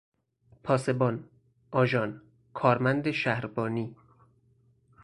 پاسبان، آژان، کارمند شهربانی